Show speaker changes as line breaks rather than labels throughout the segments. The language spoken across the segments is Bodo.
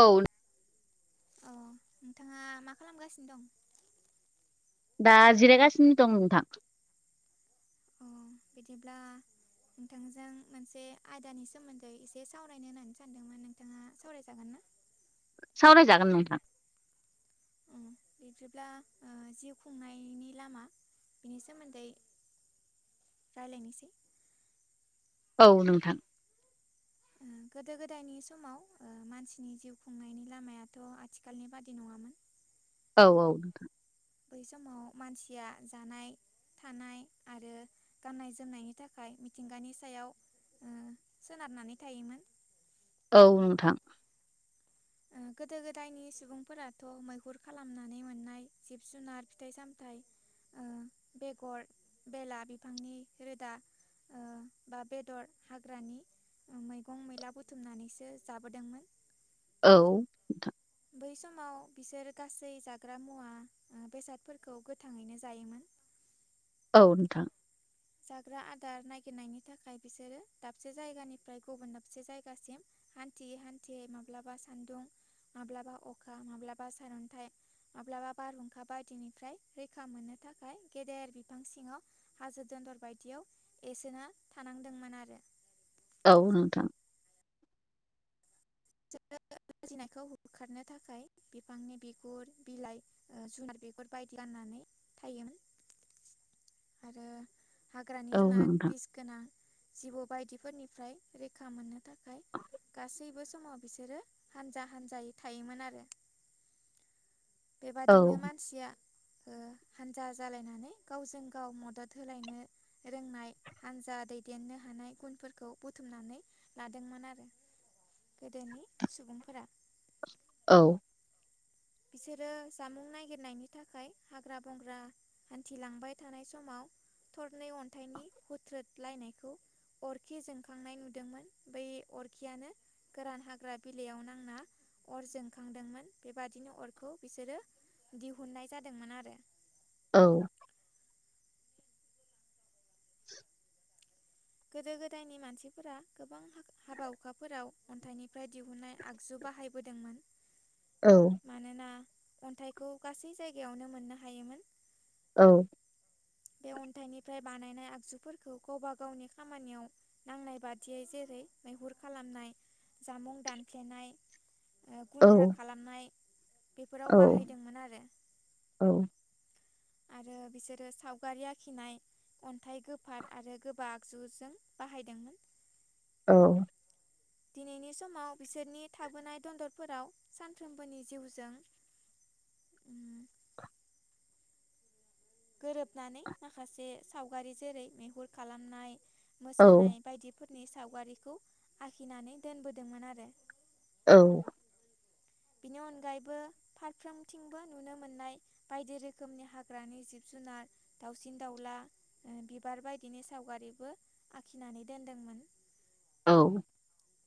औ।
अ नोंथाङा मा खालामगासिनो दं?
दा जिरायगासिनो दं नोंथां।
अ बिदिब्ला नोंथांजों मोनसे आयदानि सोमोन्दै एसे सावरायनो होननानै सानदोंमोन नोंथाङा सावरायजागोन ना? [inaudible]
सावराय जागोन नोंथां।
अ बिदिब्ला जिउ खुंनायनि लामा बिनि सोमोन्दै रायलायनिसै।
औ नोंथां।
उम। गोदो गोदायनि समाव मानसिनि जिउ खुंनायनि लामायाथ' आथिखालनि बादि नङामोन।
औ औ।
बै समाव मानसिया जानाय थानाय आरो गाननाय जोमनायनि थाखाय मिथिंगानि सायाव ओ सोनारनानै थायोमोन।
औ नोंथां।
[inaudible] गोदो गोदायनि सुबुंफोराथ' मैहुर खालामनानै मोननाय जिब-जुनार, फिथाइ-सामथाइ ओ बेगर-बेला, बिफांनि रोदा ओ बा बेदर हाग्रानि मैगं-मैला बुथुमनानैसो जाबोदोंमोन।
औ।
बै समाव बिसोर गासै जाग्रा मुवा बेसादफोरखौ गोथाङैनो जायोमोन। [inaudible]
औ नोंथां।
जाग्रा आदार नागिरनायनि थाखाय बिसोरो दाबसे जायगानिफ्राय गुबुन दाबसे जायगासिम हान्थियै हान्थियै माब्लाबा सान्दुं माब्लाबा अखा माब्लाबा सारन्थाइ माब्लाबा बारहुंखा बायदिनिफ्राय रैखा मोननो थाखाय गेदेर बिफां सिङाव हाजो दन्दर बायदियाव एरसेना थानांदोंमोन आरो।
औ नोंथां।
[unintelligible] लाजिनायखौ होखारनो थाखाय बिफांनि बिगुर, बिलाइ, जुनार बिगुर बायदि गाननानै थायोमोन आरो हाग्रानि
औ
जुनार
नोंथां
बिस गोनां जिबौ बायदिफोरनिफ्राय रैखा मोननो थाखाय गासैबो समाव बिसोरो हानजा हानजायै थायोमोन आरो।
औ
बेबादिनो मानसिया ओ हानजा जालायनानै गावजों गाव मदद होलायनो रोंनाय हान्जा दैदेननो हानाय गुनफोरखौ बुथुमनानै लादोंमोन आरो गोदोनि सुबुंफोरा।
औ।
बिसोरो जामुं नागिरनायनि थाखाय हाग्रा बंग्रा हान्थिलांबाय थानाय समाव थरनै अन्थाइनि हुथ्रोदलायनायखौ अरखि जोंखांनाय नुदोंमोन बै अरखियानो गोरान हाग्रा बिलाइयाव नांना अर जोंखांदोंमोन। बेबाद दिनो अरखौ बिसोरो दिहुननाय जादोंमोन आरो।
औ।
गोदो गोदायनि मानसिफोरा गोबां हाबा हुखाफोराव अन्थाइनिफ्राय दिहुनाय आगजु बाहायबोदोंमोन।
औ
मानोना अन्थाइखौ गासै जायगायावनो मोननो हायोमोन।
औ।
दं। अन्थाइनिफ्राय बानायनाय आगजुफोरखौ गावबा गावनि खामानियाव नांनाय बादियै जेरै मै हुर खालामनाय जामुं दानफ्लेनाय ओ
औ
गुन्द्रा खालामनाय
औ
बेफोराव बाहायदोंमोन आरो।
औ
आरो बिसोरो सावगारि आखिनाय अन्थाइ गोफार आरो गोबा आगजुजों बाहायदोंमोन।
औ।
दिनैनि समाव बिसोरनि थाबोनाय दन्दरफोराव सानफ्रोमबोनि जिउजों ओम। गोरोबनानै माखासे सावगारि जेरै मैहुर खालामनाय मोसानाय बायदिफोरनि सावगारिखौ आखिनानै दोनबोदोंमोन आरो।
औ।
बिनि अनगायैबो फारफ्रोमथिंबो नुनो मोननाय बायदि रोखोमनि हाग्रानि जिब जुनार दाउसिन दाउला बिबार बायदिनि सावगारिबो आखिनानै दोनदोंमोन। [inaudible]
औ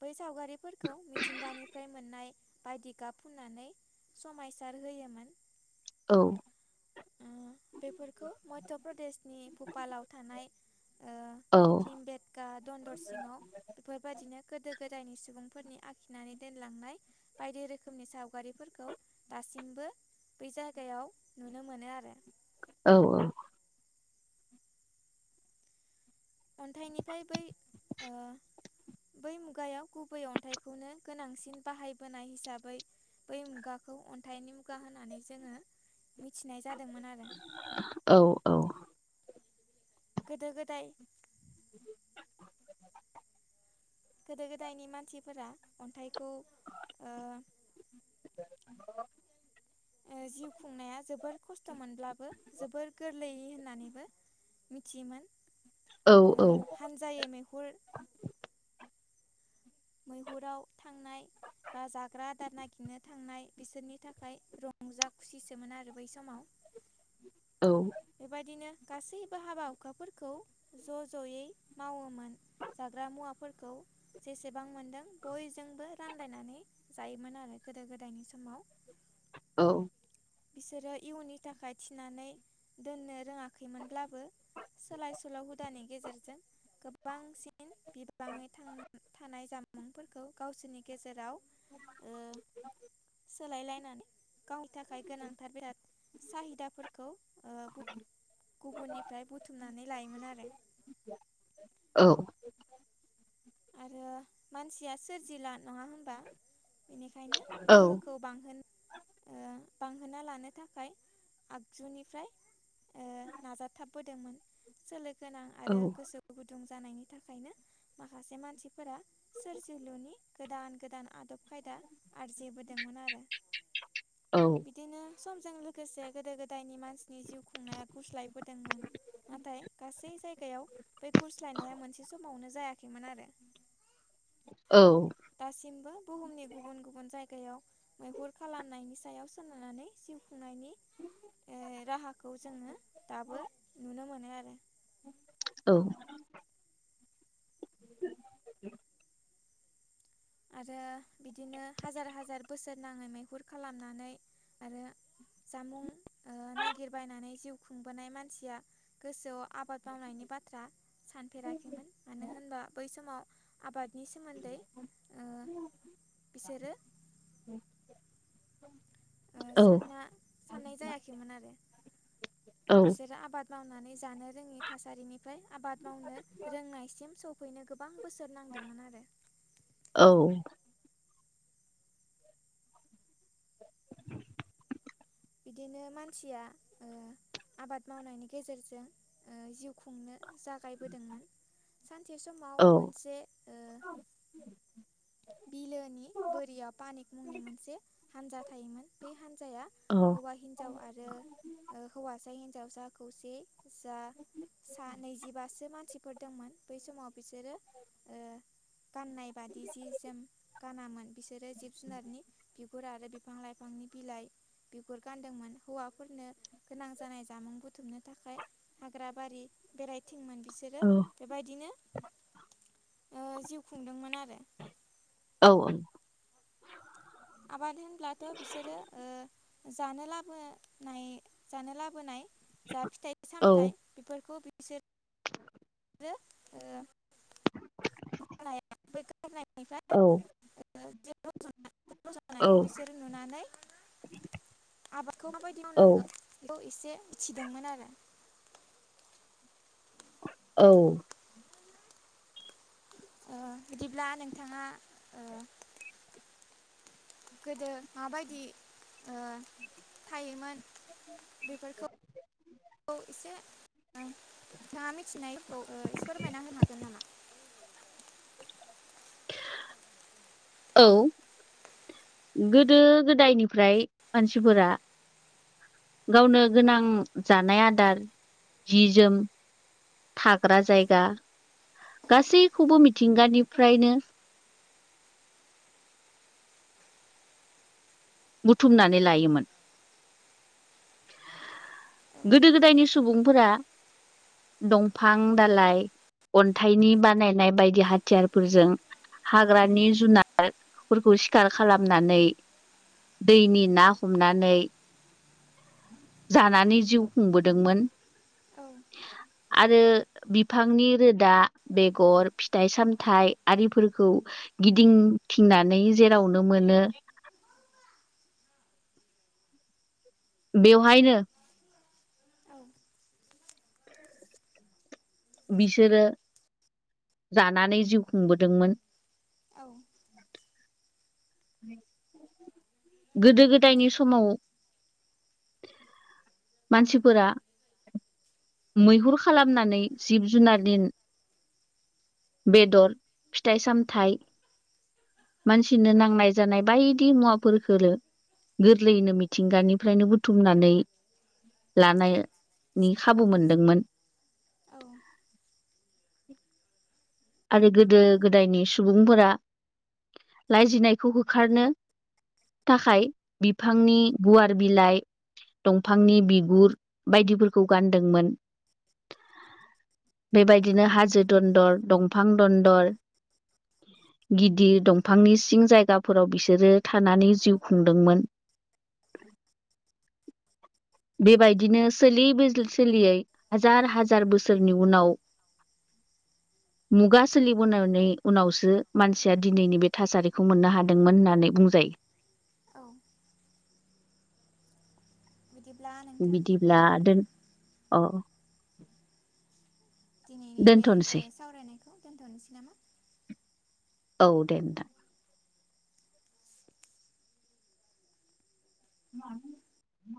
बै सावगारिफोरखौ मिथिंगानिफ्राय मोननाय बायदि गाब फुननानै समायसार होयोमोन
औ
ओ बेफोरखौ मध्य प्रदेशनि भुपालाव थानाय ओ पिम बेेदका दन्दर सिङाव बेफोरबायदिनो गोदो गोदायनि सुबुंफोरनि आखिनानै दोनलांनाय बायदि रोखोमनि सावगारिफोरखौ दासिम बो बै जायगायाव नुनो मोनो आरो
औ औ
अन्थाइनिफ्राय बै ओ बै मुगायाव गुबै अन्थाइखौनो गोनांसिन बाहायबोनाय हिसाबै बै मुगाखौ अन्थाइनि मुगा होनानै जोङो मिथिनाय जादोंमोन आरो
औ
गोदो गोदाय गोदो गोदायनि मानसिफोरा अन्थाइखौ ओ
[unintelligible]
ओ जिउ खुंनाया जोबोर खस्थ' मोनब्लाबो जोबोर गोरलैयै होन नानैबो मिथियोमोन ओ हानजायै मैहुर मैहुराव थांनाय बा जाग्रा आदार नागिरनो थांनाय बिसोरनि थाखाय रंजा खुसिसोमोन आरो बै समाव
औ
बेबायदिनो गासैबो हाबा हुखाफोरखौ ज' ज'यै मावोमोन जाग्रा मुवाफोरखौ जेसे बां मोनदों बयजोंबो रानलायनानै जायोमोन आरो गोदो गोदायनि समाव
औ
बिसोरो इयुननि थाखाय थिनानै दोननो रोङाखैमोनब्लाबो सोलाय सोल' हुदानि गेजेरजों गोबांसिन बिबाङै थां थानाय जामुंफोरखौ गावसोरनि गेजेराव ओ सोलायलायनानै गावनि थाखाय गोनांथार बेराद साहिदाफोरखौ गुबुननिफ्राय बुथुमनानै लायोमोन आरो
औ।
आरो मानसिया सोरजिला नङा होमबा बेनिखायनो गोहोखौ बांहोन ओ बांहोना लानो थाखाय आगजुनिफ्राय ओ नाजाथाबबोदोंमोन सोलो गोनां आरो गोसो गुदुं जानायनि थाखायनो माखासे मान सिफोरा सोरजिलुनि गोदान गोदान आदब खायदा आरजिबोदोंमोन आरो। बिदिनो समजों लोगोसे गोदो गोदायनि मानसिनि जिउ खुंनाया गुस्लायबोदोंमोन नाथाय गासै जायगायाव बे गुरस्लायनाया मोनसे समावनो जायाखैमोन आरो। दासिमबो बुहुमनि गुबुन गुबुन जायगायाव मैहुर खालामनायनि सायाव सोनारनानै जिउ खुंनायनि ओ राहाखौ जोङो दाबो नुनो मोनो आरो‌।
औ।
आरो बिदिनो हाजार हाजार बोसोर नाङै मैहुर खालामनानै आरो जामुं ओ नागिरबायनानै जिउ खुंबोनाय मानसिया गोसोआव आबाद मावनायनि बाथ्रा सानफेराखैमोन मानो होनबा बै समाव आबाद नि सोमोन्दै ओ बिसोरो
[inaudible] [unintelligible]
ओ सानना साननाय जायाखैमोन आरो। बिसोरो आबाद मावनानै जानो रोङि थासारिनिफ्राय आबाद मावनो रोंनायसिम सौफैनो गोब बां बोसोर नांदोंमोन आरो। बिदिनो मानसिया ओ आबाद मावनायनि गेजेरजों ओ जिउ खुंनो जागायबोदोंमोन सान से समाव मोनसे ओ बिलोनि बोरिया पानिक मुंनि मोनसे हानजा थायोमोन बे हानजाया हौवा हिनजाव आरो ओ हौवासा हिन जावसा खौसे जा सा नैजिबासो मानसिफोर दोंमोन बै समाव बिसोरो ओ गाननाय बादि जि जोम गानामोन बिसोरो जिब जुननि बिुगुर आरो बिफां लाइफांनि बिलाइ बिगुर गानदोंमोन हौवाफोरनो गोनां जानाय जामुं बुथुम नो थाखाय हाग्रा बारि बेरायथिं मोन बिसोरो बेबायदिनो जिउ खुंदोंमोन आरो।
औ औ।
आबाद होनब्लाथ' बिसोरो ओ जानो लाबोनाय जानो लाबोनाय जा फिथाइ
औ
सामथाइ बिफोरखौ बिसोर रो ओ [unintelligible] गारनायनिफ्राय
औ औ
[unintelligible] खौ बिसोरो नुनानै आबाद खौ माबायदि
औ
मावनांगौ बेखौ एसे मिथिदोंमोन आरो।
औ।
ओ बिदिब्ला नोंथाङा ओ गोदो माबायदि ओ थायोमोन
[inaudible] [unintelligible]
औ इसे नोंथाङा मिथिनायखौ ओ फोरमायना होनो हागोन नामा!
औ
[inaudible] [unintelligible]
गोदो गोदायनिफ्राय मानसिफोरा गावनो गोनां जानाय आदार जि जोम थाग्रा जायगा गासैखौबो मिथिंगानिफ्रायनो
[inaudible] [unintelligible]
बुथुमनानै लायोमोन
औ
गोदो गोदायनि सुबुंफोरा दंफां दालाइ अन्थाइनि बानायनाय बायदि हाथियारफोरजों, हाग्रानि जुनारफोरखौ सिखार खालामनानै, दैनि ना हमनानै, जानानै जिउ खुंबोदोंमोन।
औ
आरो बिफांनि रोदा बेगर फिथाइ सामथाइ आरिफोरखौ, गिदिं थिंनानै जेरावनो मोनो,
[inaudible]
बेवहायनो।
औ
बिसोरो जानानै जिउ खुंबोदोंमोन।
औ
गोदो गोदायनि समाव, मानसिफोरा, मैहुर खालामनानै जिब जुनार दिन, बेदर फिथाइ सामथ मानसिनो नांनाय। जानाय बायदि मुवाफोरखोलो, गोरलैयैनो मिथिंगानिफ्रायनो बुथुमनानै, लानायनि खाबु मोनदोंमोन, आरो गोदो गोदायनि सुबुंफोरा, लाजिनायखौ होखारनो, थाखाय बिफांनि गुवार बिलाइ, दंफांनि बिगुर बायदिफोरखौ गानदोंमोन। बेबायदिनो हाजो दन्दर दंफां दन्दर,
[inaudible]
गिदिर दंफांनि सिं जायगाफोराव बिसोरो थानानै जिउ खुंदोंमोन।
[inaudible]
बेबायदिनो सोलियै सोलियै हाजार हाजार बोसोरनि उनाव।
[inaudible]
मुगा सोलिबोनानै उनावसो मानसिया दिनैनि बे थासारिखौ मोननो हादोंमोन होननानै बुंजायो।
औ बिदिब्ला नोंथां ओ
बिदिब्ला दोन अ
दिनैनि बे
दोनथ'नोसै
सावरायनायखौ दोनथ'नोसै नामा?
औ दे नोंथां, [unintelligible]